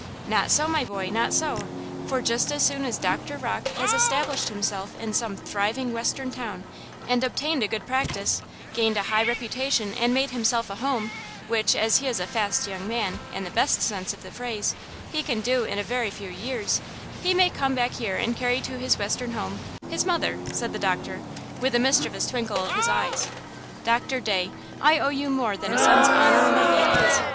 "Not so, my boy–not so–for just as soon as Doctor Rocke has established himself in some thriving western town and obtained a good practice, gained a high reputation and made himself a home–which, as he is a fast young man, in the best sense of the phrase–he can do in a very few years–he may come back here and carry to his western home–his mother," said the doctor, with a mischievous twinkle of his eyes. "Doctor Day, I owe you more than a son's honor and obedience!